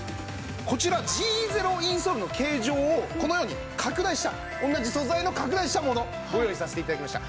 こちらＧゼロインソールの形状をこのように拡大した同じ素材の拡大したものご用意させて頂きました。